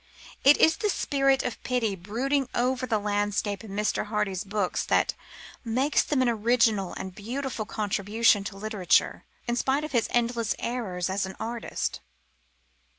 It is the spirit of pity brooding over the landscape in Mr. Hardy's books that makes them an original and beautiful contribution to literature, in spite of his endless errors as an artist.